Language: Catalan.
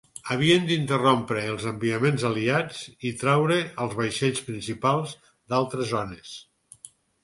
Havien d'interrompre els enviaments aliats i traure els vaixells principals d'altres zones.